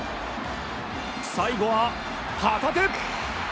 最後は、旗手！